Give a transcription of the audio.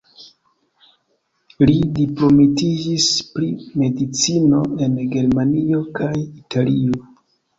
Li diplomitiĝis pri medicino en Germanio kaj Italio.